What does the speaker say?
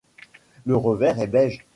Le revers est beige.